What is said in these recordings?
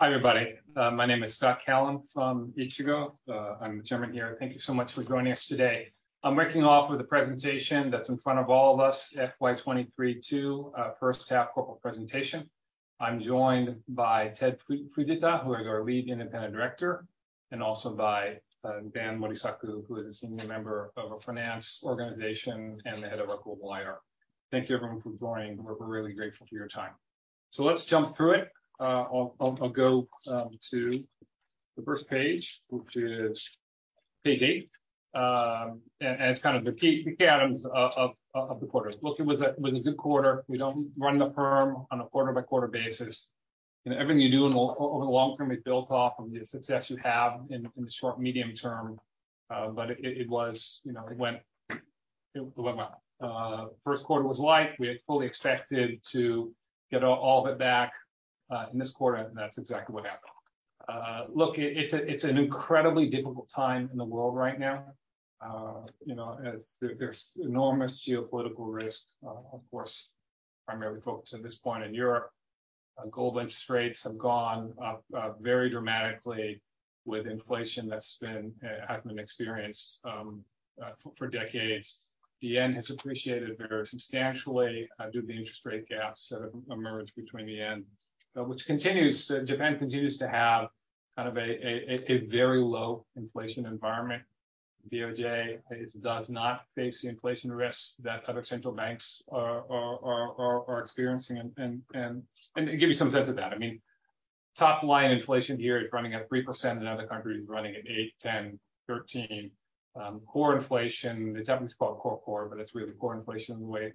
Hi, everybody. My name is Scott Callon from Ichigo. I'm the Chairman here. Thank you so much for joining us today. I'm kicking off with a presentation that's in front of all of us, FY 2023 second first half corporate presentation. I'm joined by Tet Fujita, who is our Lead Independent Director, and also by Dan Morisaku, who is a senior member of our finance organization and the Head of our Global IR. Thank you everyone for joining. We're really grateful for your time. Let's jump through it. I'll go to the first page, which is page 8. It's kind of the key items of the quarter. Look, it was a good quarter. We don't run the firm on a quarter-by-quarter basis. You know, everything you do over the long term is built off of the success you have in the short, medium term. It was, you know, it went, first quarter was light. We had fully expected to get all of it back in this quarter, and that's exactly what happened. Look, it's an incredibly difficult time in the world right now. There's enormous geopolitical risk, of course, primarily focused at this point in Europe. Global interest rates have gone up very dramatically with inflation that hasn't been experienced for decades. The yen has appreciated very substantially due to the interest rate gaps that have emerged between the yen. Japan continues to have kind of a very low inflation environment. BOJ does not face the inflation risks that other central banks are experiencing. To give you some sense of that, I mean, top line inflation here is running at 3%. In other countries, running at eight, 10, 13. Core inflation, the Japanese call it core core, but it's really core inflation the way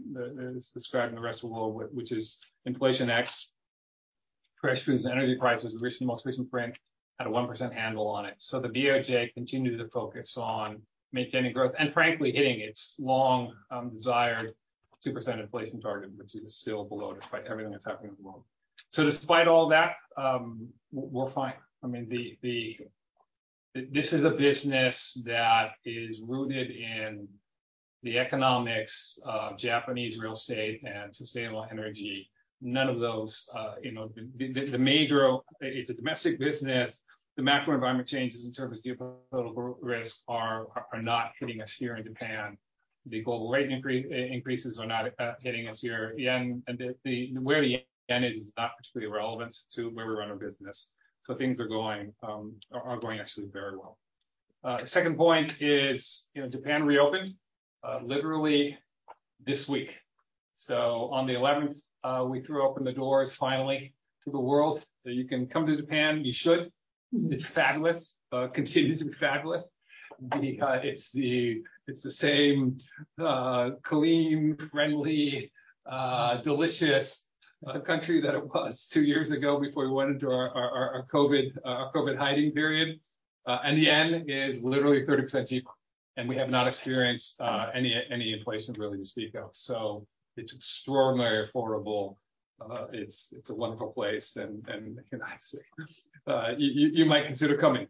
it's described in the rest of the world, which is inflation ex fresh foods and energy prices. The most recent print had a 1% handle on it. BOJ continued to focus on maintaining growth and frankly hitting its long desired 2% inflation target, which is still below despite everything that's happening in the world. Despite all that, we're fine. I mean, this is a business that is rooted in the economics of Japanese real estate and sustainable energy. None of those, you know, It's a domestic business. The macro environment changes in terms of geopolitical risk are not hitting us here in Japan. The global rate increases are not hitting us here. Yen, where the yen is not particularly relevant to where we run our business. Things are going actually very well. Second point is, you know, Japan reopened literally this week. On the eleventh, we threw open the doors finally to the world, that you can come to Japan. You should. It's fabulous, continues to be fabulous. It's the same clean, friendly, delicious country that it was two years ago before we went into our COVID hiding period. The yen is literally 30% cheaper, and we have not experienced any inflation really to speak of. It's extraordinarily affordable. It's a wonderful place and you know, you might consider coming.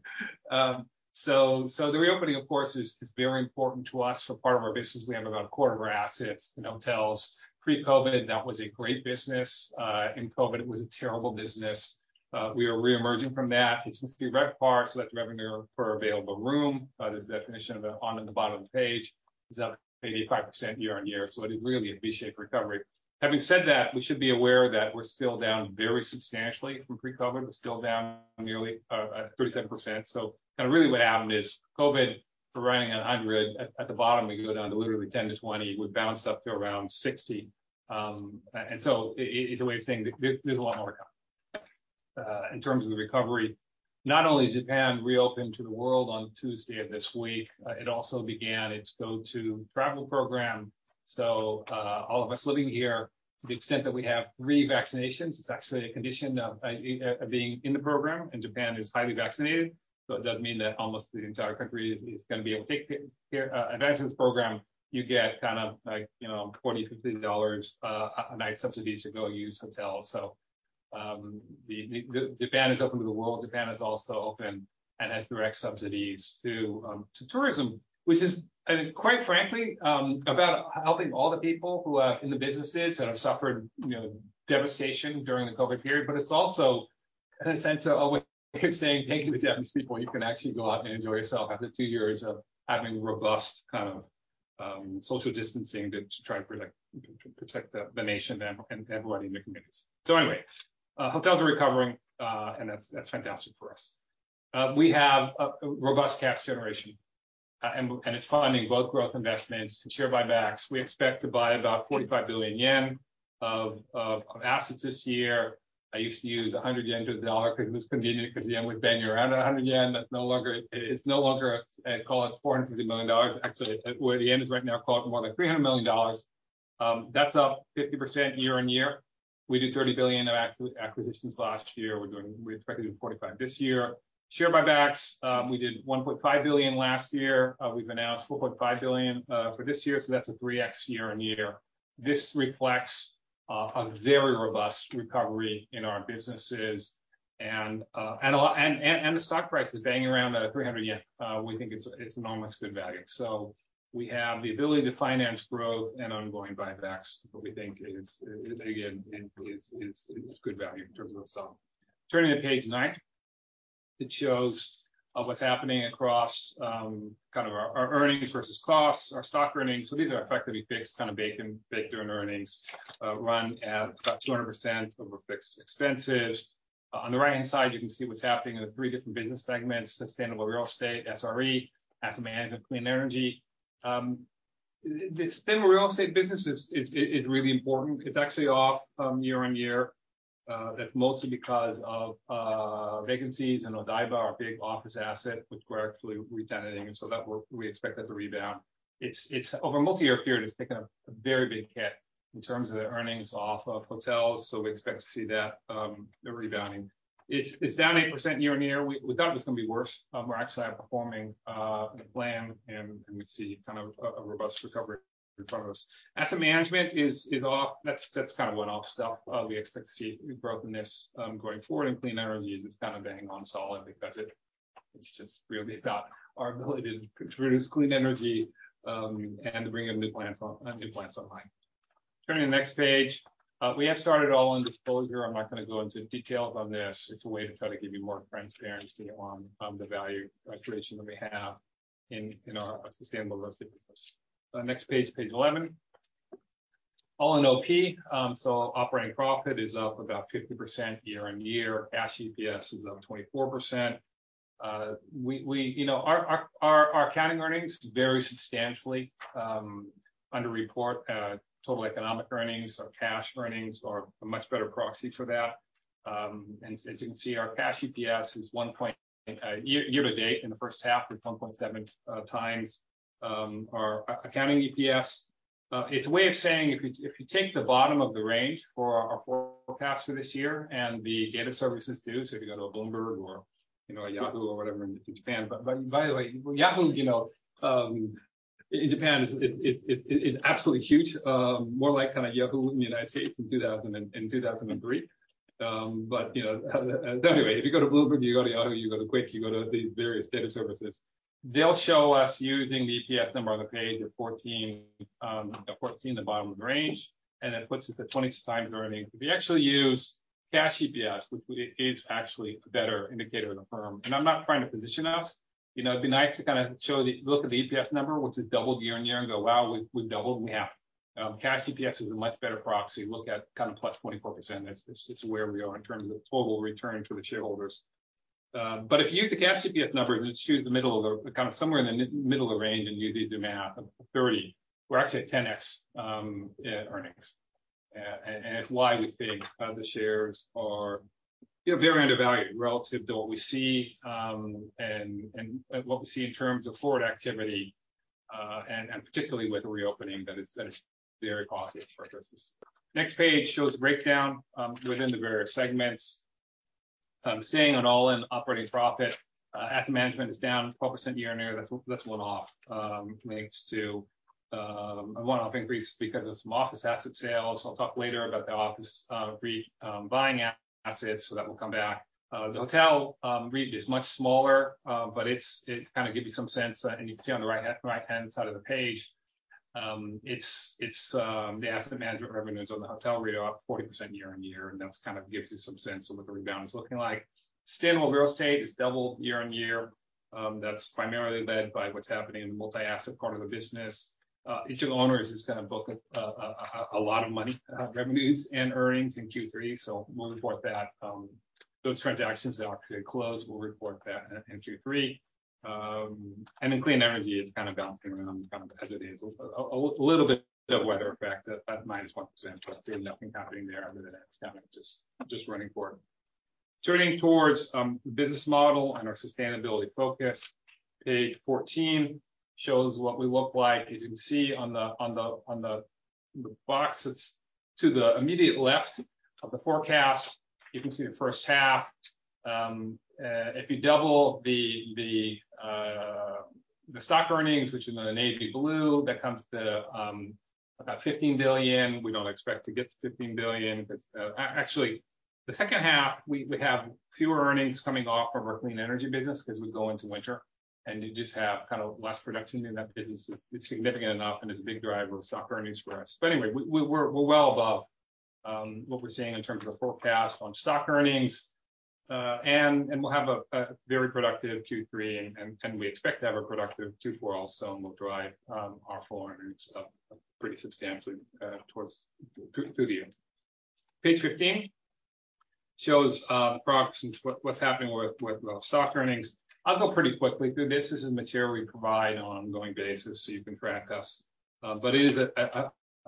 The reopening of course is very important to us for part of our business. We have about a quarter of our assets in hotels. Pre-COVID, that was a great business. In COVID, it was a terrible business. We are reemerging from that. It's mostly RevPAR, so that's revenue per available room. There's a definition of it on the bottom of the page. It's up 85% year-on-year, so it is really a V-shaped recovery. Having said that, we should be aware that we're still down very substantially from pre-COVID. We're still down nearly 37%. Kind of really what happened is COVID, we're running at 100. At the bottom, we go down to literally 10%-20%. We've bounced up to around 60%. It's a way of saying there's a lot more to come in terms of the recovery. Not only Japan reopened to the world on Tuesday of this week, it also began its Go To Travel program. All of us living here, to the extent that we have three vaccinations, it's actually a condition of being in the program, and Japan is highly vaccinated. It does mean that almost the entire country is gonna be able to take it. That's this program. You get kind of like, you know, $40-$50 a night subsidy to go use hotels. Japan is open to the world. Japan is also open and has direct subsidies to tourism, which is, and quite frankly, about helping all the people who are in the businesses that have suffered, you know, devastation during the COVID period. It's also in a sense a way of saying thank you to Japanese people. You can actually go out and enjoy yourself after two years of having robust kind of social distancing to try and protect the nation and everybody in the communities. Anyway, hotels are recovering, and that's fantastic for us. We have a robust cash generation, and it's funding both growth investments and share buybacks. We expect to buy about 45 billion yen of assets this year. I used to use 100 yen to the dollar because it was convenient because the yen was banging around 100 yen. That's no longer. It's no longer a. Call it $450 million. Actually, where the yen is right now, call it more like $300 million. That's up 50% year-on-year. We did 30 billion of acquisitions last year. We expect to do 45 billion this year. Share buybacks, we did 1.5 billion last year. We've announced 4.5 billion for this year, so that's a 3x year-on-year. This reflects a very robust recovery in our businesses and the stock price is banging around at 300 yen. We think it's an almost good value. We have the ability to finance growth and ongoing buybacks. What we think is, again, good value in terms of the stock. Turning to page nine. It shows what's happening across our earnings versus costs, our stock earnings. These are effectively fixed, kind of baked-in earnings, run at about 200% over fixed expenses. On the right-hand side, you can see what's happening in the three different business segments: Sustainable Real Estate, SRE, Asset Management, Clean Energy. The Sustainable Real Estate business is really important. It's actually off year-over-year. That's mostly because of vacancies in Odaiba, our big office asset, which we're actually re-tenanting, so that we expect that to rebound. Over a multi-year period, it's taken a very big hit in terms of the earnings off of hotels, so we expect to see that rebounding. It's down 8% year-over-year. We thought it was gonna be worse. We're actually outperforming the plan, and we see kind of a robust recovery in front of us. Asset Management is off. That's kind of one-off stuff. We expect to see growth in this going forward. In Clean Energy, it's kind of bang on solid because it's just really about our ability to produce clean energy and to bring in new plants online. Turning to the next page. We have started all in disclosure. I'm not gonna go into details on this. It's a way to try to give you more transparency on the value creation that we have in our Sustainable Real Estate business. The next page 11. All in OP, so operating profit is up about 50% year-on-year. Cash EPS is up 24%. You know, our accounting earnings vary substantially underreport. Total economic earnings or cash earnings are a much better proxy for that. As you can see, our cash EPS is 1 point... Year to date in the first half is 1.7 times our accounting EPS. It's a way of saying if you take the bottom of the range for our forecast for this year and the data services too, so if you go to a Bloomberg or, you know, a Yahoo or whatever in Japan. By the way, Yahoo, you know, in Japan is absolutely huge. More like kinda Yahoo in the United States in 2003. You know, anyway, if you go to Bloomberg, you go to Yahoo, you go to QUICK, you go to these various data services, they'll show us using the EPS number of 14, the bottom of the range, and that puts us at 22 times earnings. If you actually use cash EPS, which is actually a better indicator of the firm, and I'm not trying to position us. It'd be nice to kind of look at the EPS number, which has doubled year-on-year, and go, "Wow, we doubled," and we have. Cash EPS is a much better proxy. Look at kind of +24%. It's where we are in terms of total return to the shareholders. If you use the cash EPS number, then it puts us kind of somewhere in the middle of the range, and you do the math of 30. We're actually at 10x earnings. It's why we think the shares are, you know, very undervalued relative to what we see, and what we see in terms of forward activity, and particularly with the reopening that is very positive for us. Next page shows breakdown within the various segments. Staying on all-in operating profit, Asset Management is down 12% year-on-year. That's one-off, relates to a one-off increase because of some office asset sales. I'll talk later about the office re-buying assets, so that will come back. The hotel REIT is much smaller, but it kinda gives you some sense, and you can see on the right-hand side of the page. It's the asset management revenues on the hotel REIT are up 40% year-over-year, and that's kind of gives you some sense of what the rebound is looking like. Sustainable Real Estate is double year-over-year. That's primarily led by what's happening in the multi-asset part of the business. Ichigo Owners is gonna book a lot of money, revenues and earnings in Q3, so we'll report back. Those transactions that are to close, we'll report that in Q3. Clean Energy is kind of bouncing around kind of as it is. A little bit of weather effect, that minus 1%, but there's nothing happening there other than it's kind of just running forward. Turning towards the business model and our sustainability focus. Page 14 shows what we look like. As you can see on the box that's to the immediate left of the forecast, you can see the first half. If you double the stock earnings, which is the navy blue, that comes to about 15 billion. We don't expect to get to 15 billion 'cause actually, the second half, we have fewer earnings coming off of our Clean Energy business 'cause we go into winter, and you just have kind of less production in that business. It's significant enough and is a big driver of stock earnings for us. We're well above what we're seeing in terms of the forecast on stock earnings. We'll have a very productive Q3, and we expect to have a productive Q4 also, and we'll drive our full earnings up pretty substantially through the year. Page 15 shows the proxy into what's happening with the stock earnings. I'll go pretty quickly through this. This is material we provide on an ongoing basis, so you can track us. It is a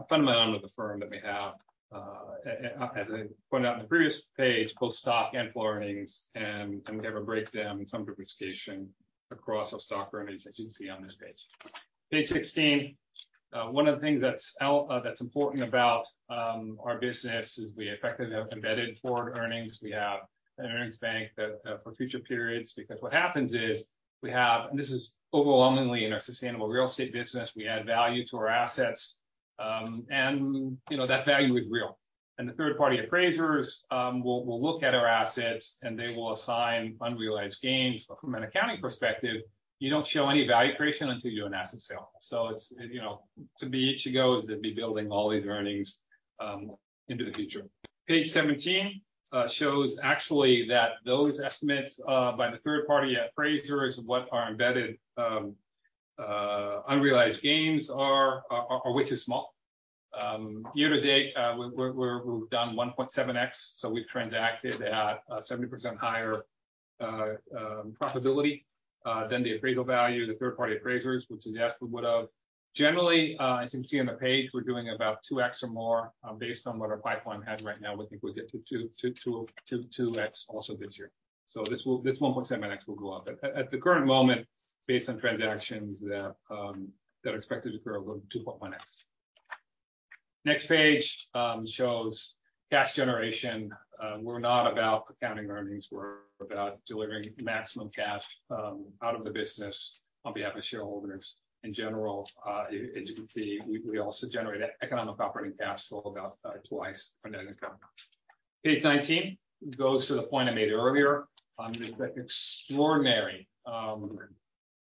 fundamental of the firm that we have. As I pointed out in the previous page, both stock and full earnings, and we have a breakdown and some diversification across our stock earnings, as you can see on this page. Page 16. One of the things that's important about our business is we effectively have embedded forward earnings. We have an earnings bank that for future periods, because what happens is we have and this is overwhelmingly in our Sustainable Real Estate business, we add value to our assets, and, you know, that value is real. The third-party appraisers will look at our assets, and they will assign unrealized gains. From an accounting perspective, you don't show any value creation until you do an asset sale. It's, you know, to me, it goes to be building all these earnings into the future. Page 17 shows actually that those estimates by the third-party appraisers of what our embedded unrealized gains are are way too small. Year to date, we've done 1.7x, so we've transacted at 70% higher profitability than the appraisal value the third party appraisers would suggest we would have. Generally, as you can see on the page, we're doing about 2x or more, based on what our pipeline has right now. We think we'll get to 2x also this year. This 1.7x will go up. At the current moment, based on transactions that are expected to grow, we're 2.1x. Next page shows cash generation. We're not about accounting earnings. We're about delivering maximum cash out of the business on behalf of shareholders. In general, as you can see, we also generate economic operating cash flow about twice our net income. Page 19 goes to the point I made earlier on the extraordinary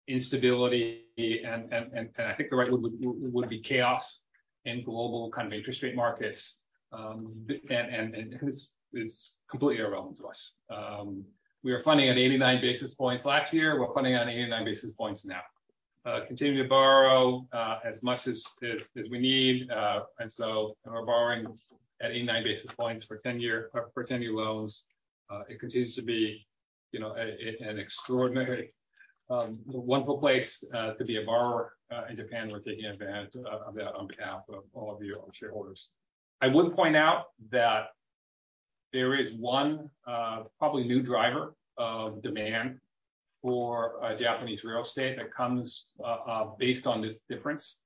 instability and I think the right word would be chaos in global kind of interest rate markets. It's completely irrelevant to us. We are funding at 89 basis points last year. We're funding at 89 basis points now. We continue to borrow as much as we need and so we're borrowing at 89 basis points for ten-year loans. It continues to be, you know, an extraordinary wonderful place to be a borrower in Japan. We're taking advantage of that on behalf of all of you, our shareholders. I would point out that there is one, probably new driver of demand for Japanese real estate that comes based on this difference.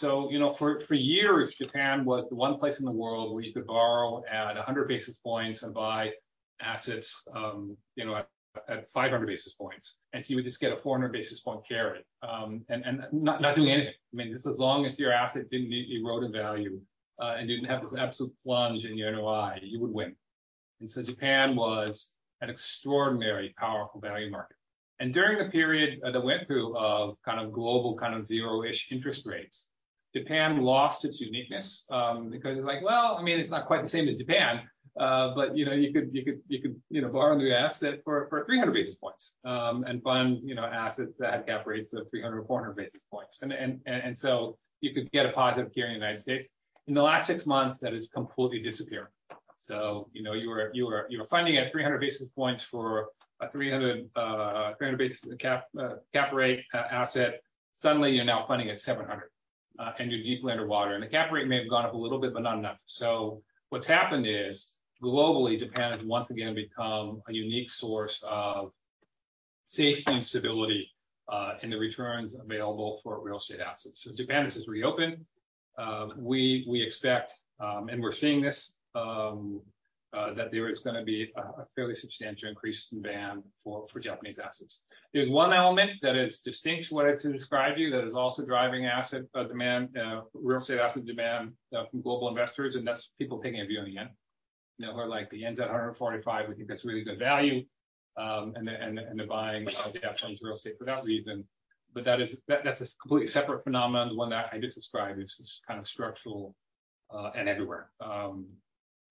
You know, for years, Japan was the one place in the world where you could borrow at 100 basis points and buy assets, you know, at 500 basis points. You would just get a 400 basis points carry, and not doing anything. I mean, just as long as your asset didn't erode in value, and you didn't have this absolute plunge in your NOI, you would win. Japan was an extraordinary powerful value market. During the period that we went through of kind of global zero-ish interest rates, Japan lost its uniqueness, because it's like, well, I mean, it's not quite the same as Japan, but you know, you could borrow new asset for 300 basis points, and fund assets that cap rates of 300, 400 basis points. You could get a positive carry in the United States. In the last six months, that has completely disappeared. You know, you were funding at 300 basis points for a 300 basis cap rate asset. Suddenly, you're now funding at 700, and you're deep underwater. The cap rate may have gone up a little bit, but not enough. What's happened is globally, Japan has once again become a unique source of safety and stability in the returns available for real estate assets. Japan has just reopened. We expect, and we're seeing this, that there is gonna be a fairly substantial increase in demand for Japanese assets. There's one element that is distinct to what I just described to you that is also driving asset demand, real estate asset demand from global investors, and that's people taking a view on the yen. You know, who are like, "The yen's at 145. We think that's really good value," and they're buying a lot of Japanese real estate for that reason. That's a completely separate phenomenon. The one that I just described is kind of structural and everywhere.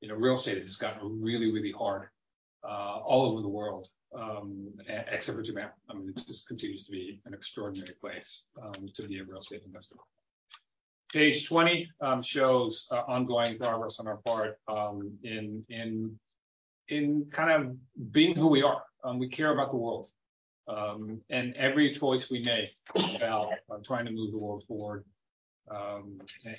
You know, real estate has gotten really hard all over the world except for Japan. I mean, it just continues to be an extraordinary place to be a real estate investor. Page 20 shows ongoing progress on our part in kind of being who we are. We care about the world and every choice we make about trying to move the world forward.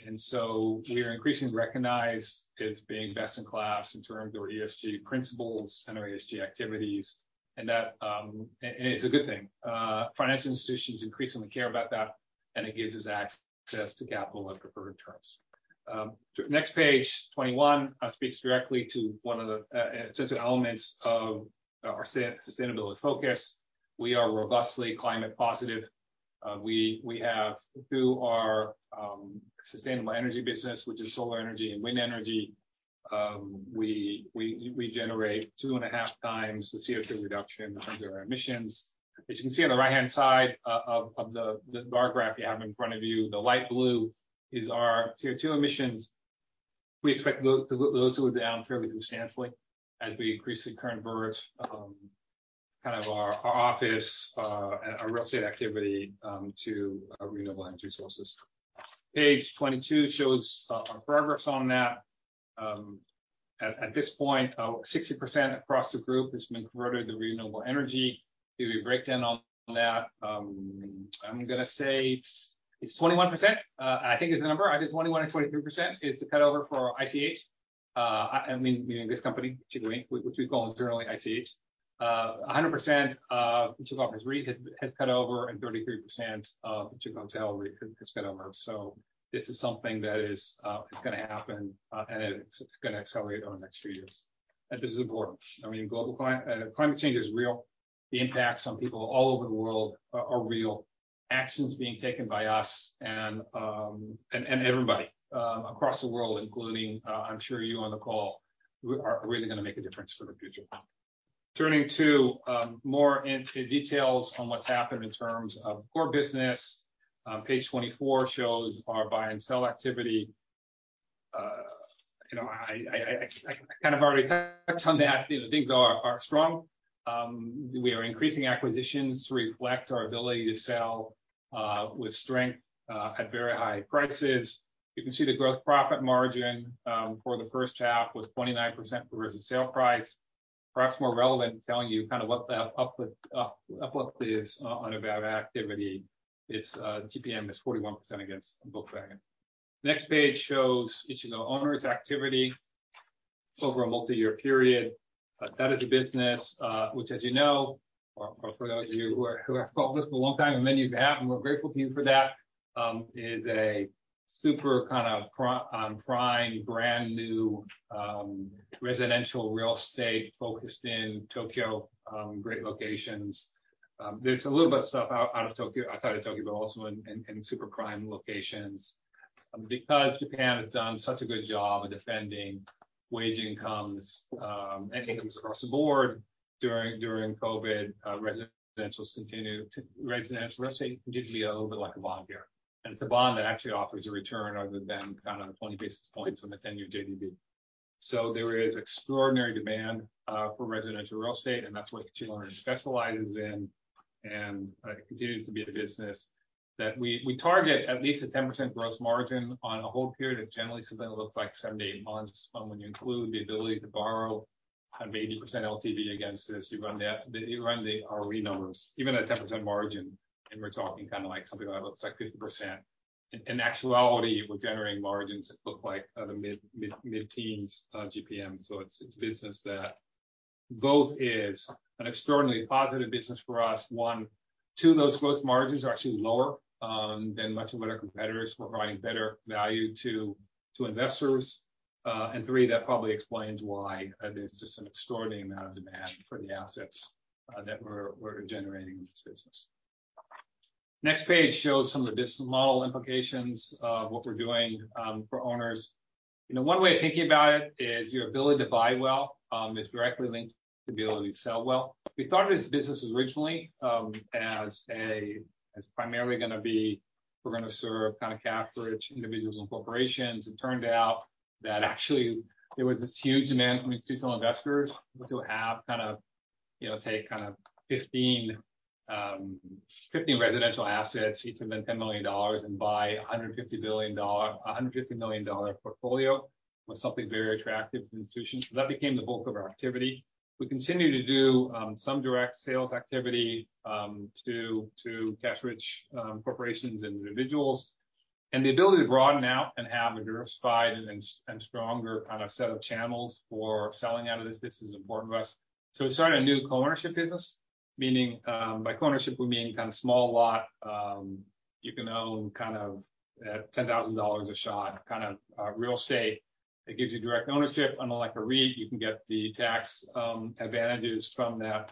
And so we are increasingly recognized as being best in class in terms of our ESG principles and our ESG activities, and that and it's a good thing. Financial institutions increasingly care about that, and it gives us access to capital on preferred terms. Next page, 21, speaks directly to one of the essential elements of our sustainability focus. We are robustly climate positive. We have, through our sustainable energy business, which is solar energy and wind energy, we generate two and a half times the CO2 reduction in terms of our emissions. As you can see on the right-hand side of the bar graph you have in front of you, the light blue is our CO2 emissions. We expect those to go down fairly substantially as we increase the conversion kind of our office our real estate activity to renewable energy sources. Page 22 shows our progress on that. At this point, 60% across the group has been converted to renewable energy. Give you a breakdown on that. I'm gonna say it's 21%, I think is the number. Either 21% or 23% is the cut over for ICH. I mean, meaning this company, Ichigo, which we call internally ICH. 100% of Ichigo Office REIT has cut over and 33% of Ichigo Hotel REIT has cut over. This is something that is gonna happen, and it's gonna accelerate over the next few years. This is important. I mean, global climate change is real. The impacts on people all over the world are real. Actions being taken by us and everybody across the world, including, I'm sure you on the call, are really gonna make a difference for the future. Turning to more into details on what's happened in terms of core business, page 24 shows our buy and sell activity. You know, I kind of already touched on that. You know, things are strong. We are increasing acquisitions to reflect our ability to sell with strength at very high prices. You can see the gross profit margin for the first half was 29% versus sale price. Perhaps more relevant in telling you kind of, it's GPM is 41% against book value. Next page shows Ichigo Owners activity over a multi-year period. That is a business, which, as you know, or for those of you who have followed this for a long time, and many of you have, and we're grateful to you for that, is a super kind of prime, brand-new, residential real estate focused in Tokyo, great locations. There's a little bit of stuff outside of Tokyo, but also in super prime locations. Because Japan has done such a good job of defending wage incomes and incomes across the board during COVID, residential real estate continues to be a little bit like a bond here. It's a bond that actually offers a return other than kind of 20 basis points on the ten-year JGB. There is extraordinary demand for residential real estate, and that's what Ichigo Owners specializes in, and it continues to be a business that we target at least a 10% gross margin on a hold period of generally something that looks like seven to eight months. When you include the ability to borrow kind of 80% LTV against this, you run the ROE numbers even at a 10% margin, and we're talking kind of like something about it's like 50%. In actuality, we're generating margins that look like the mid-teens GPM. It's business that both is an extraordinarily positive business for us, one. Two, those gross margins are actually lower than much of what our competitors, we're providing better value to investors. Three, that probably explains why there's just an extraordinary amount of demand for the assets that we're generating in this business. Next page shows some of the business model implications of what we're doing for owners. You know, one way of thinking about it is your ability to buy well is directly linked to the ability to sell well. We thought of this business originally as primarily gonna be, we're gonna serve kind of cash-rich individuals and corporations. It turned out that actually there was this huge demand from institutional investors to have kind of, you know, take kind of 15 residential assets, each of them $10 million, and buy a $150 million portfolio was something very attractive to institutions. That became the bulk of our activity. We continue to do some direct sales activity to cash-rich corporations and individuals. The ability to broaden out and have a diversified and stronger kind of set of channels for selling out of this business is important to us. We started a new co-ownership business, meaning by co-ownership, we mean kind of small lot you can own kind of at $10,000 a shot, kind of real estate that gives you direct ownership. Unlike a REIT, you can get the tax advantages from that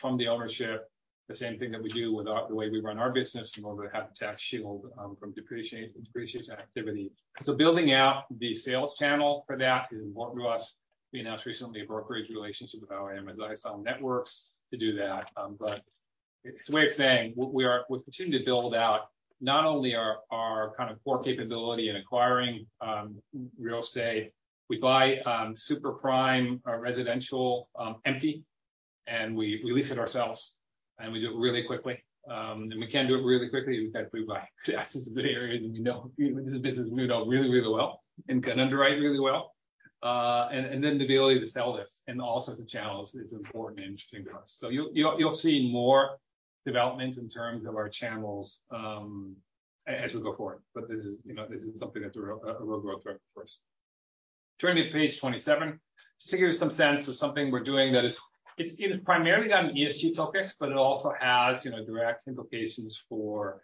from the ownership, the same thing that we do with the way we run our business in order to have the tax shield from depreciation activity. Building out the sales channel for that is important to us. We announced recently a brokerage relationship with OMAS Ison networks to do that. It's a way of saying we're continuing to build out not only our kind of core capability in acquiring real estate. We buy super prime residential empty, and we lease it ourselves, and we do it really quickly. We can do it really quickly because we buy assets in the Tokyo Bay Area that we know. This is a business we know really, really well and can underwrite really well. The ability to sell this in all sorts of channels is important and interesting to us. You'll see more developments in terms of our channels as we go forward. This is, you know, this is something that's a real growth driver for us. Turning to page 27. This gives you some sense of something we're doing that is primarily on an ESG focus, but it also has, you know, direct implications for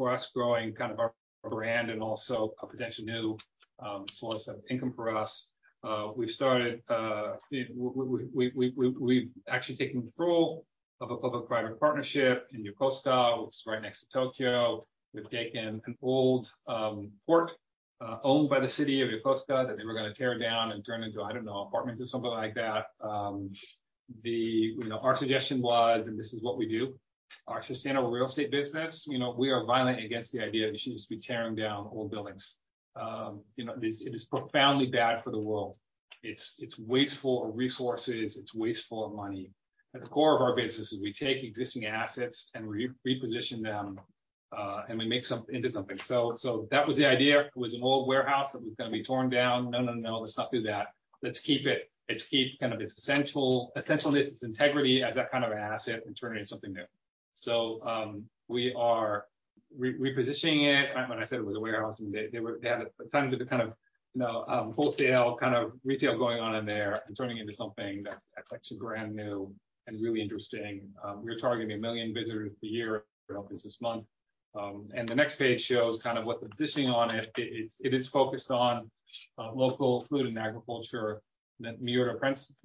us growing kind of our brand and also a potential new source of income for us. We've actually taken control of a public-private partnership in Yokosuka, which is right next to Tokyo. We've taken an old port owned by the city of Yokosuka that they were gonna tear down and turn into, I don't know, apartments or something like that. You know, our suggestion was, and this is what we do, our Sustainable Real Estate business, you know, we are violently against the idea that you should just be tearing down old buildings. You know, this. It is profoundly bad for the world. It's wasteful of resources. It's wasteful of money. At the core of our business is we take existing assets and reposition them, and we make some into something. That was the idea. It was an old warehouse that was gonna be torn down. No, no, let's not do that. Let's keep it. Let's keep kind of its essentialness, its integrity as that kind of an asset and turn it into something new. We are repositioning it. When I said it was a warehouse, and they had a tiny bit of kind of, you know, wholesale kind of retail going on in there and turning it into something that's actually brand new and really interesting. We are targeting 1 million visitors a year. We opened this month. The next page shows kind of what the positioning on it. It is focused on local food and agriculture. Miura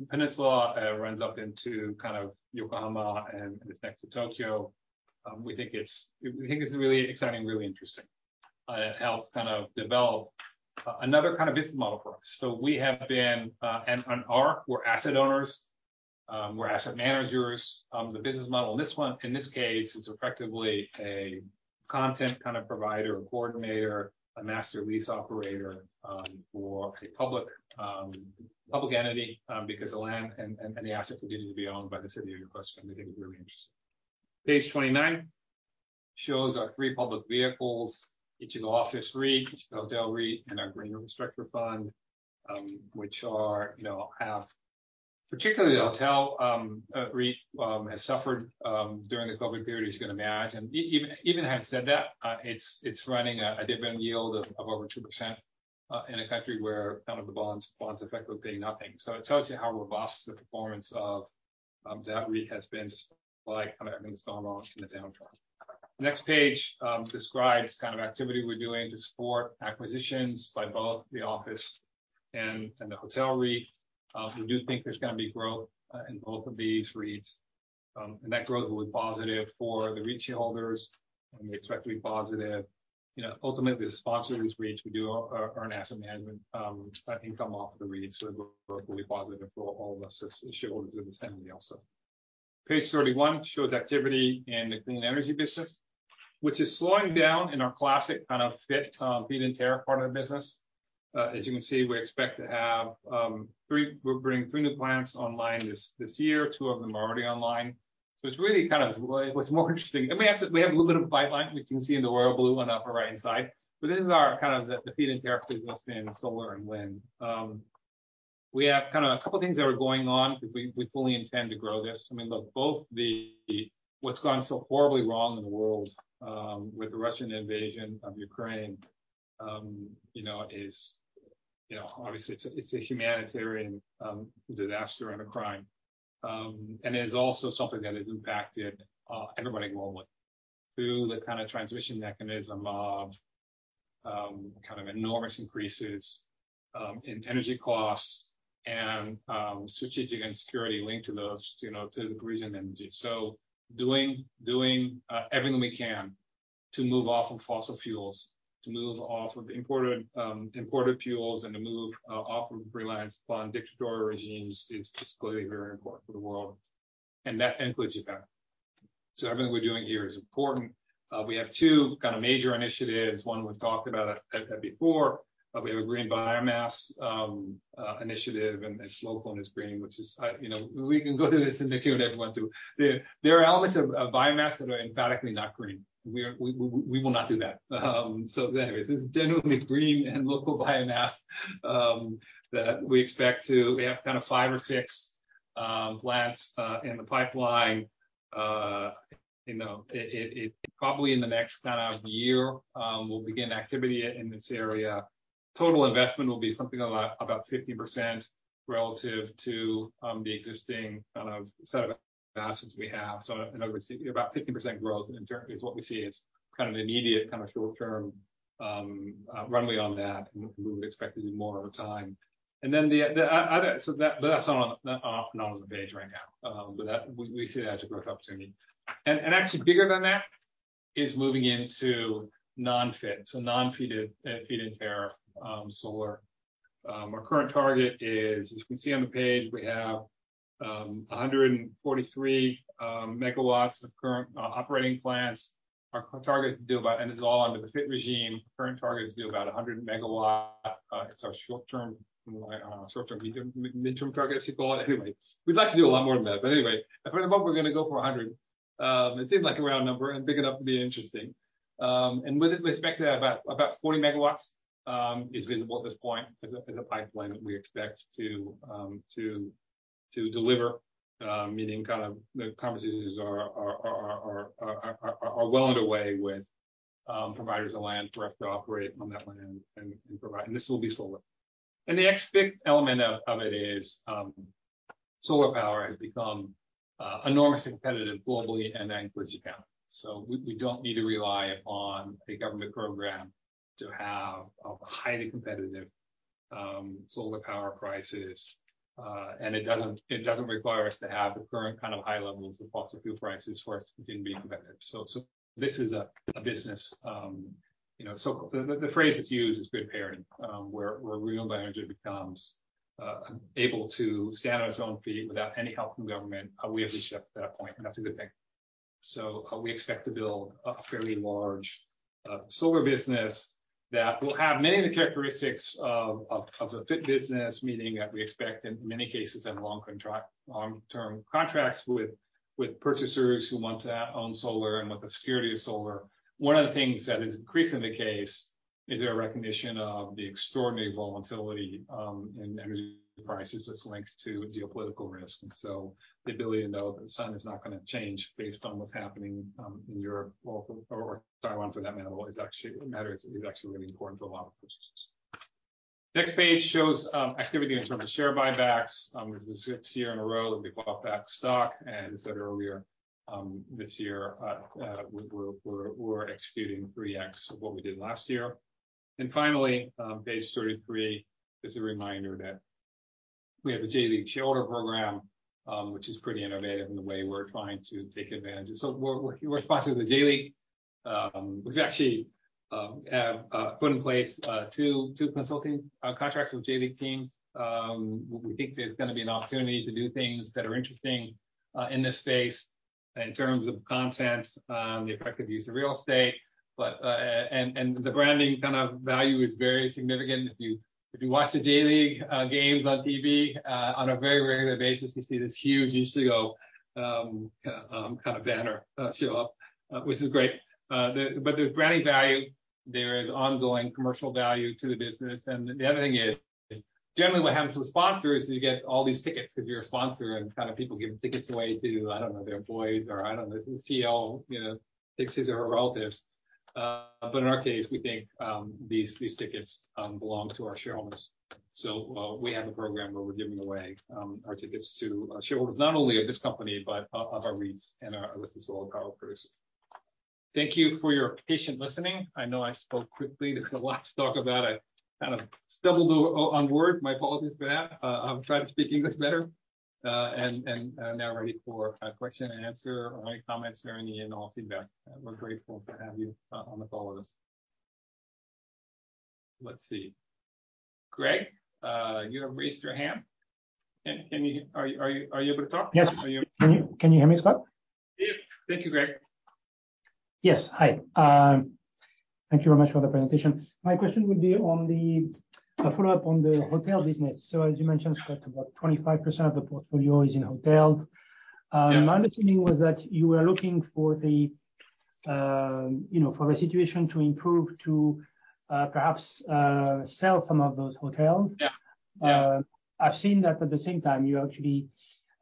Peninsula runs up into kind of Yokohama and is next to Tokyo. We think it's really exciting, really interesting. It helps kind of develop another kind of business model for us. We have been and are, we're asset owners, we're asset managers. The business model in this case is effectively a content kind of provider or coordinator, a master lease operator, for a public entity, because the land and the asset continues to be owned by the city of Yokosuka, and I think it's very interesting. Page 29 shows our three public vehicles, Ichigo Office REIT, Ichigo Hotel REIT, and our Ichigo Green Infrastructure Fund. Particularly the hotel REIT has suffered during the COVID period, as you can imagine. Even having said that, it's running a dividend yield of over 2% in a country where none of the bonds effectively pay nothing. It tells you how robust the performance of that REIT has been, despite kind of everything that's gone on in the downturn. The next page describes kind of activity we're doing to support acquisitions by both the office and the hotel REIT. We do think there's gonna be growth in both of these REITs, and that growth will be positive for the REIT shareholders, and we expect to be positive. You know, ultimately, the sponsor of these REITs, we do earn asset management income off the REITs, so it will be positive for all of us as shareholders in this entity also. Page 31 shows activity in the clean energy business, which is slowing down in our classic kind of FIT feed-in tariff part of the business. As you can see, we're bringing three new plants online this year. Two of them are already online. So it's really kind of what's more interesting. We have a little bit of pipeline, which you can see in the royal blue on the upper right-hand side. But these are kind of the feed-in tariff business in solar and wind. We have kind of a couple things that are going on because we fully intend to grow this. I mean, look, what's gone so horribly wrong in the world with the Russian invasion of Ukraine, you know, is, you know, obviously it's a, it's a humanitarian disaster and a crime. It is also something that has impacted everybody globally through the kind of transmission mechanism of kind of enormous increases in energy costs and strategic insecurity linked to those, you know, to the region. Doing everything we can to move off of fossil fuels, to move off of imported fuels, and to move off of reliance upon dictatorial regimes is just clearly very important for the world, and that includes Japan. Everything we're doing here is important. We have two kind of major initiatives. One we've talked about before. We have a green biomass initiative, and it's local and it's green, which is, you know, we can go through this and educate everyone too. There are elements of biomass that are emphatically not green. We will not do that. Anyways, it's genuinely green and local biomass that we expect to. We have kind of five or six plants in the pipeline. You know, it probably in the next kind of year, we'll begin activity in this area. Total investment will be something around about 15% relative to the existing kind of set of assets we have. In other words, about 15% growth internally is what we see as kind of an immediate kind of short-term runway on that, and we would expect to do more over time. That's not on the page right now. But that we see that as a growth opportunity. Actually bigger than that is moving into non-FIT, so non-feed-in tariff solar. Our current target is, as you can see on the page, we have 143 MW of current operating plants. It's all under the FIT regime. Current target is to do about 100 MW. It's our short-term medium mid-term target, I should call it. Anyway, we'd like to do a lot more than that. Anyway, at the moment we're gonna go for 100. It seems like a round number and big enough to be interesting. With it, we expect that about 40 MW is visible at this point as a pipeline that we expect to deliver. Meaning kind of the conversations are well underway with providers of land for us to operate on that land and provide. This will be solar. The next big element of it is solar power has become enormously competitive globally, and that includes Japan. We don't need to rely upon a government program to have highly competitive solar power prices. It doesn't require us to have the current kind of high levels of fossil fuel prices for us to continue being competitive. This is a business, you know. The phrase that's used is grid parity, where renewable energy becomes able to stand on its own feet without any help from government. We have reached that point, and that's a good thing. We expect to build a fairly large solar business that will have many of the characteristics of the FIT business, meaning that we expect in many cases have long-term contracts with purchasers who want to own solar and want the security of solar. One of the things that is increasingly the case is a recognition of the extraordinary volatility in energy prices that's linked to geopolitical risk. The ability to know that the sun is not gonna change based on what's happening in Europe or Taiwan for that matter is actually what matters. It's actually really important to a lot of purchasers. Next page shows activity in terms of share buybacks. This is the sixth year in a row that we've bought back stock. As I said earlier, this year we're executing 3x of what we did last year. Finally, page 33 is a reminder that we have a J.League shareholder program, which is pretty innovative in the way we're trying to take advantage. We're sponsored with the J.League. We've actually put in place two consulting contracts with J.League teams. We think there's gonna be an opportunity to do things that are interesting in this space in terms of content, the effective use of real estate. The branding kind of value is very significant. If you watch the J.League games on TV on a very regular basis, you see this huge Ichigo kind of banner show up, which is great. There's branding value, there is ongoing commercial value to the business. The other thing is, generally what happens with sponsors is you get all these tickets because you're a sponsor, and kind of people giving tickets away to, I don't know, their employees or, I don't know, the CEO, you know, takes his or her relatives. But in our case, we think these tickets belong to our shareholders. So we have a program where we're giving away our tickets to our shareholders, not only of this company, but of our REITs and our solar power producers. Thank you for your patience in listening. I know I spoke quickly. There's a lot to talk about. I kind of stumbled on words, my apologies for that. I'll try to speak English better. And I'm now ready for a question and answer or any comments or any and all feedback. We're grateful to have you on the call with us. Let's see. Greg, you have raised your hand. Can you? Are you able to talk? Yes. Are you- Can you hear me, Scott? Yeah. Thank you, Greg. Yes. Hi. Thank you very much for the presentation. My question would be on the, a follow-up on the hotel business. As you mentioned, Scott, about 25% of the portfolio is in hotels. Yeah. My understanding was that you were looking, you know, for the situation to improve, to perhaps sell some of those hotels. Yeah. Yeah. I've seen that at the same time you actually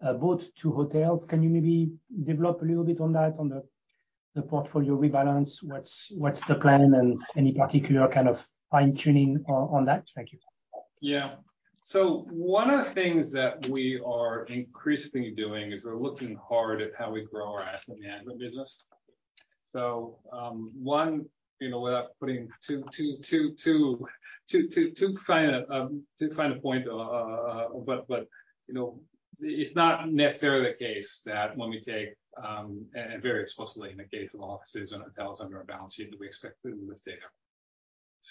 bought two hotels. Can you maybe develop a little bit on that, on the portfolio rebalance? What's the plan and any particular kind of fine-tuning on that? Thank you. Yeah. One of the things that we are increasingly doing is we're looking hard at how we grow our Asset Management business. Without putting too fine a point, but you know, it's not necessarily the case that when we take and very explicitly in the case of offices and hotels under our balance sheet, that we expect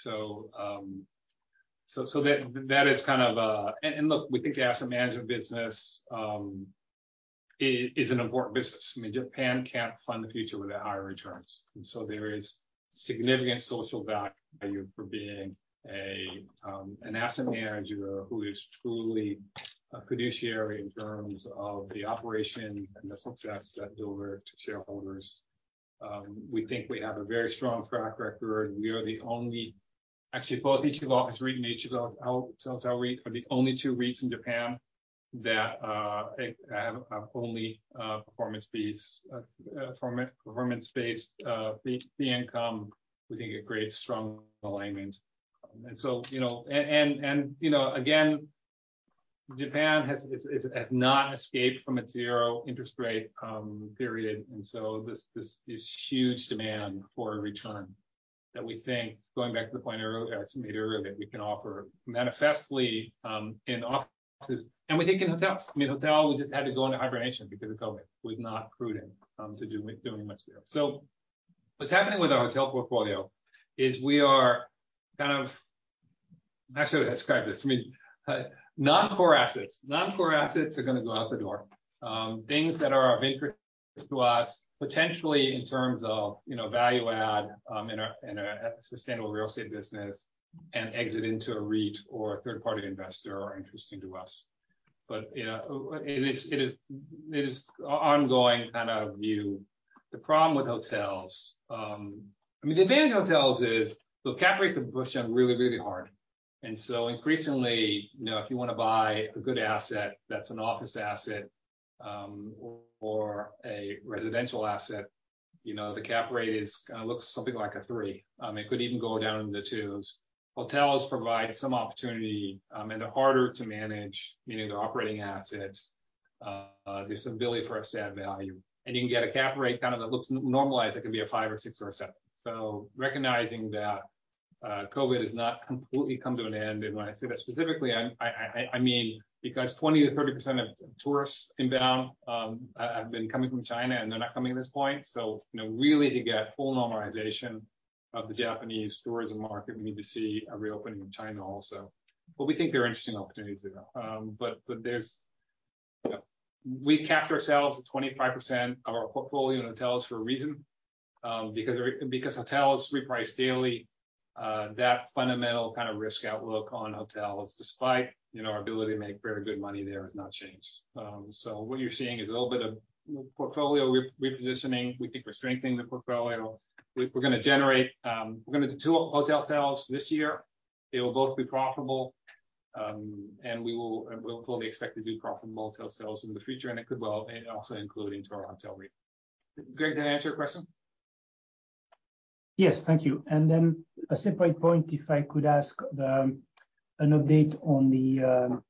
to hold them. That is kind of. Look, we think the Asset Management business is an important business. I mean, Japan can't fund the future without higher returns. There is significant social value for being an asset manager who is truly a fiduciary in terms of the operations and the success delivered to shareholders. We think we have a very strong track record. Actually, both Ichigo Office REIT and Ichigo Hotel REIT are the only two REITs in Japan that have only performance-based fee income. We think a great strong alignment. You know, again, Japan has not escaped from its zero interest rate period. This is huge demand for a return that we think, going back to the point I made earlier, that we can offer manifestly in offices, and we think in hotels. I mean, hotel, we just had to go into hibernation because of COVID. We've not done much there. What's happening with our hotel portfolio is we are kind of. I'm not sure how to describe this. I mean, non-core assets. Non-core assets are gonna go out the door. Things that are of interest to us, potentially in terms of, you know, value add, in a Sustainable Real Estate business, and exit into a REIT or a third-party investor are interesting to us. You know, it is ongoing kind of view. The problem with hotels. I mean, the advantage of hotels is the cap rates have pushed them really hard. Increasingly, you know, if you wanna buy a good asset that's an office asset, or a residential asset, you know, the cap rate kinda looks something like a three. It could even go down into twos sets. There's some ability for us to add value. You can get a cap rate kind of that looks normalized. It could be 5% or 6% or 7%. Recognizing that, COVID has not completely come to an end, and when I say that specifically, I mean because 20%-30% of tourists inbound have been coming from China, and they're not coming at this point. You know, really to get full normalization of the Japanese tourism market, we need to see a reopening of China also. We think there are interesting opportunities there. We capped ourselves at 25% of our portfolio in hotels for a reason. Because hotels reprice daily. That fundamental kind of risk outlook on hotels, despite, you know, our ability to make very good money there, has not changed. What you're seeing is a little bit of portfolio repositioning. We think we're strengthening the portfolio. We're gonna do two hotel sales this year. They will both be profitable. We'll fully expect to do profitable hotel sales in the future, and it could well also include into our hotel REIT. Greg, did I answer your question? Yes. Thank you. A separate point, if I could ask, an update on the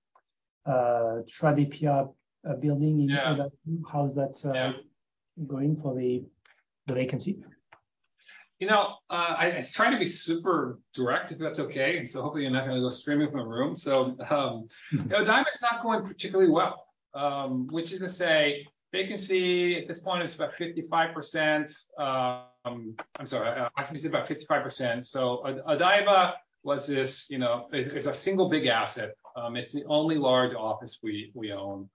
Tradepia building in Odaiba? Yeah. How is that? Yeah Going for the vacancy? You know, I try to be super direct, if that's okay, and so hopefully you're not gonna go screaming from the room. You know, Odaiba's not going particularly well, which is to say vacancy at this point is about 55%. I'm sorry, occupancy about 55%. Odaiba was this, you know, it is a single big asset. It's the only large office we own.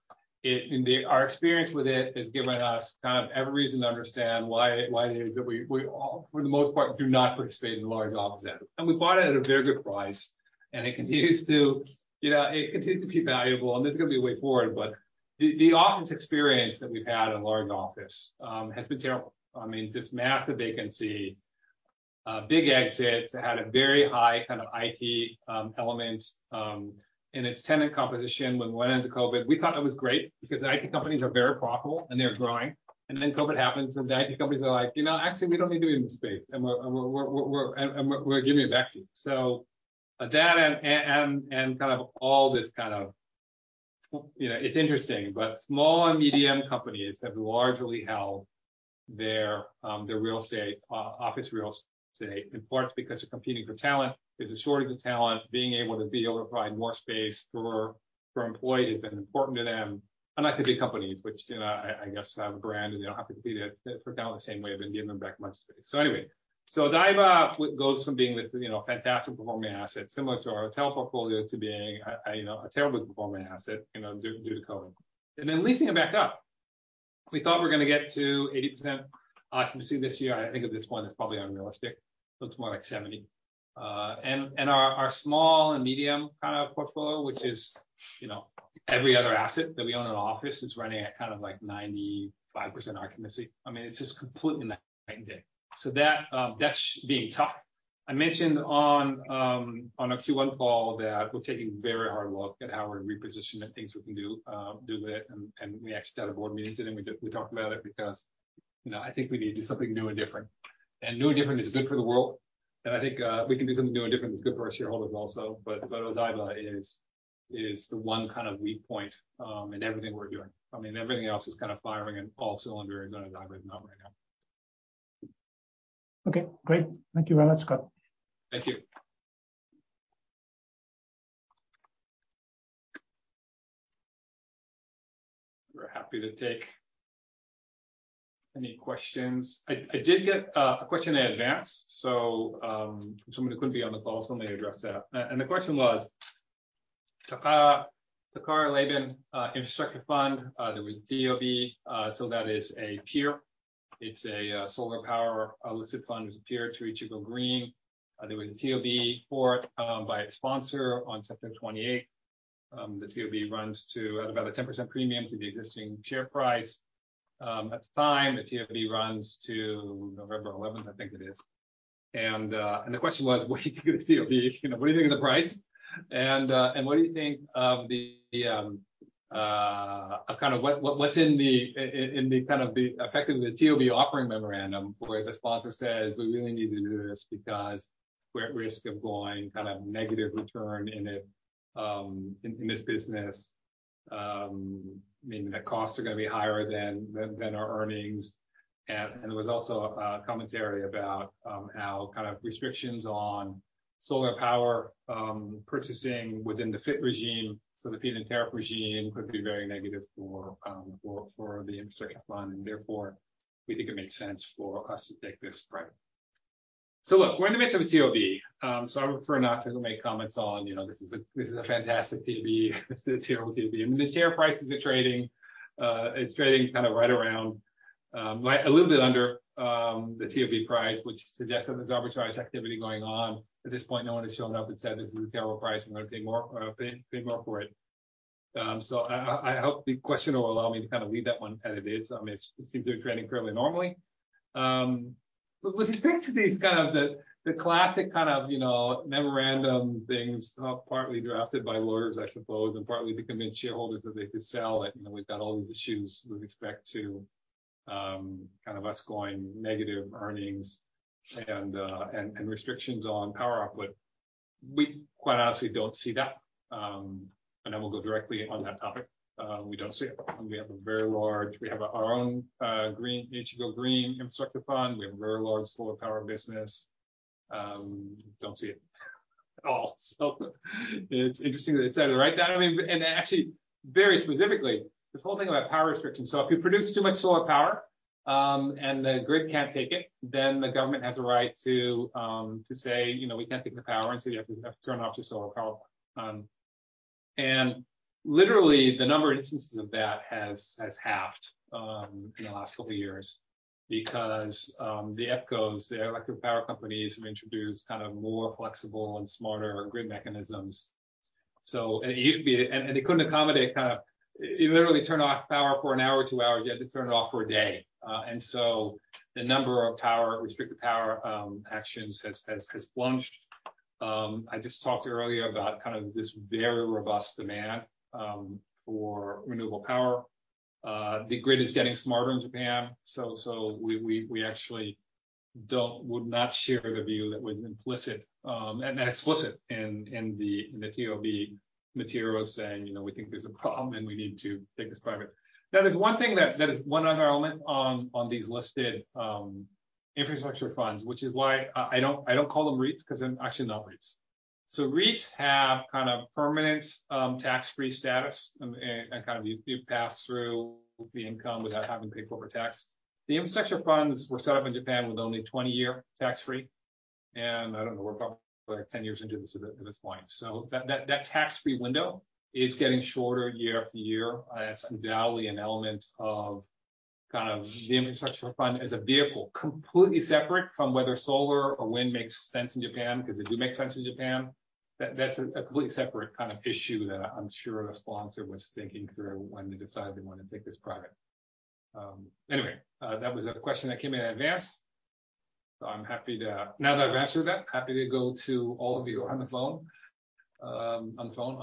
Our experience with it has given us kind of every reason to understand why it is that we all, for the most part, do not participate in large office assets. We bought it at a very good price, and it continues to, you know, be valuable, and there's gonna be a way forward, but the office experience that we've had in large office has been terrible. I mean, just massive vacancy, big exits. It had a very high kind of IT element in its tenant composition. When we went into COVID, we thought that was great because IT companies are very profitable, and they're growing. Then COVID happens, and the IT companies are like, "You know, actually, we don't need to be in this space, and we're giving it back to you." That and kind of all this kind of, you know. It's interesting, but small and medium companies have largely held their real estate, office real estate, in part because they're competing for talent. There's a shortage of talent. Being able to provide more space for employees has been important to them. Unlike the big companies, which, you know, I guess have a brand, and they don't have to compete for talent the same way we've been giving back much space. Anyway, Odaiba goes from being this, you know, fantastically performing asset similar to our hotel portfolio to being a, you know, terribly performing asset, you know, due to COVID. Then leasing it back up. We thought we were gonna get to 80% occupancy this year. I think at this point that's probably unrealistic. Looks more like 70%. Our small and medium kind of portfolio, which is, you know, every other asset that we own in an office is running at kind of like 95% occupancy. I mean, it's just completely night and day. That 's being tough. I mentioned on our Q1 call that we're taking a very hard look at how we're repositioning things we can do with it, and we actually had a board meeting today, and we talked about it because, you know, I think we need to do something new and different. New and different is good for the world, and I think we can do something new and different that's good for our shareholders also. Odaiba is the one kind of weak point in everything we're doing. I mean, everything else is kind of firing on all cylinders, but Odaiba is not right now. Okay, great. Thank you very much, Scott. Thank you. We're happy to take any questions. I did get a question in advance, so somebody who couldn't be on the call, so let me address that. The question was, Takara Leben Infrastructure Fund, there was a TOB, so that is a peer. It's a solar power listed fund. It's a peer to Ichigo Green. There was a TOB for it, by its sponsor on September 28th. The TOB runs to at about a 10% premium to the existing share price. At the time, the TOB runs to November 11th, I think it is. The question was, what do you think of the TOB? You know, what do you think of the price? What do you think of what's in the kind of the effect of the TOB offering memorandum where the sponsor says, "We really need to do this because we're at risk of going kind of negative return in it, in this business. Meaning the costs are gonna be higher than our earnings." There was also a commentary about how kind of restrictions on solar power purchasing within the FIT regime, so the feed-in tariff regime could be very negative for the infrastructure fund, and therefore we think it makes sense for us to take this private. Look, we're in the midst of a TOB, so I would prefer not to make comments on, you know, this is a fantastic TOB. This is a terrible TOB. I mean, the share prices are trading, it's trading kind of right around, a little bit under, the TOB price, which suggests that there's arbitrage activity going on. At this point, no one has shown up and said, "This is a terrible price. We're gonna pay more, pay more for it." I hope the question will allow me to kind of leave that one as it is. I mean, it seems to be trading fairly normally. With respect to these kind of classic, you know, memorandum things, partly drafted by lawyers, I suppose, and partly to convince shareholders that they could sell it. You know, we've got all these issues with respect to, kind of us going negative earnings and restrictions on power output. We quite honestly don't see that. I will go directly on that topic. We don't see it. We have our own green Ichigo Green Infrastructure Fund. We have a very large solar power business. Don't see it at all. It's interesting that it's said it right now. I mean, actually, very specifically, this whole thing about power restrictions. If you produce too much solar power, and the grid can't take it, then the government has a right to say, you know, "We can't take the power," and so you have to turn off your solar power. Literally, the number of instances of that has halved in the last couple of years because the EPCOs, the electric power companies, have introduced kind of more flexible and smarter grid mechanisms. It used to be they couldn't accommodate. You literally turn off power for an hour or 2 hours, you had to turn it off for a day. The number of power restriction actions has plunged. I just talked earlier about kind of this very robust demand for renewable power. The grid is getting smarter in Japan, so we actually would not share the view that was implicit and explicit in the TOB materials saying, you know, we think there's a problem, and we need to take this private. Now, there's one thing that is one other element on these listed infrastructure funds, which is why I don't call them REITs because they're actually not REITs. REITs have kind of permanent tax-free status and kind of you pass through the income without having to pay corporate tax. The infrastructure funds were set up in Japan with only 20-year tax-free. I don't know, we're about, like, 10 years into this at this point. That tax-free window is getting shorter year after year. That's undoubtedly an element of kind of the infrastructure fund as a vehicle, completely separate from whether solar or wind makes sense in Japan, because they do make sense in Japan. That's a completely separate kind of issue that I'm sure the sponsor was thinking through when they decided they wanted to take this private. That was a question that came in advance. I'm happy to. Now that I've answered that, happy to go to all of you on the phone. On the phone,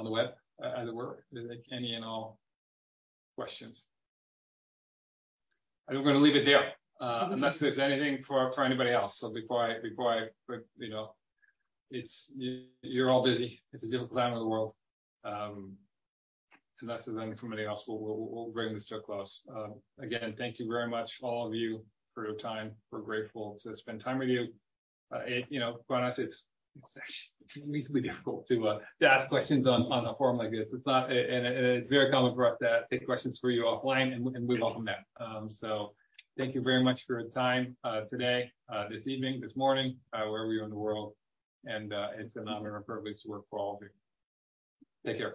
on the web, either work. Any and all questions. I'm gonna leave it there, unless there's anything for anybody else. Before I, you know. It's, you're all busy. It's a difficult time in the world. Unless there's anything from anybody else, we'll bring this to a close. Again, thank you very much, all of you, for your time. We're grateful to spend time with you. You know, quite honestly, it's actually reasonably difficult to ask questions on a forum like this. It's not. It's very common for us to take questions for you offline, and we welcome that. Thank you very much for your time today, this evening, this morning, wherever you are in the world. It's an honor and a privilege to work for all of you. Take care.